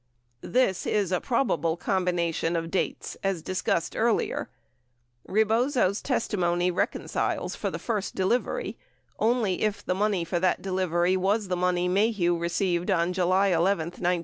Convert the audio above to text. This is a probable combination of dates, as discussed earlier. 95 Rebozo's testimony reconciles for the first delivery only if the money for that delivery was the money Maheu received on July 11, 1969.